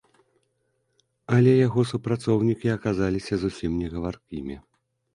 Але яго супрацоўнікі аказаліся зусім негаваркімі.